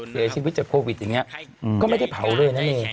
เสียชีวิตจากโควิดอย่างนี้ก็ไม่ได้เผาเลยนะเม